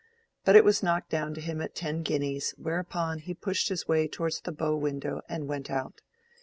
But it was knocked down to him at ten guineas, whereupon he pushed his way towards the bow window and went out.